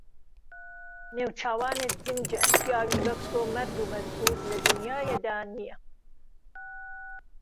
نێوچاوانت گنجه پیاوی وەک تۆ مەرد و مەزبووت له دونیایه دا نییه